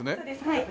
はい。